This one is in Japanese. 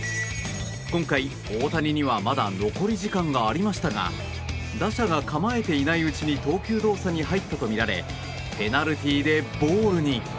今回、大谷にはまだ残り時間がありましたが打者が構えていないうちに投球動作に入ったとみられペナルティーでボールに。